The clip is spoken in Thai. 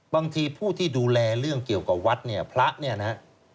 ผู้ที่ดูแลเรื่องเกี่ยวกับวัดเนี่ยพระเนี่ยนะ